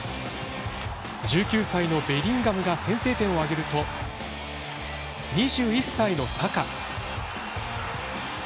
１９歳のベリンガムが先制点を挙げると２１歳のサカ。